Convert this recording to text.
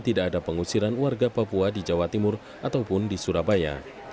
tidak ada pengusiran warga papua di jawa timur ataupun di surabaya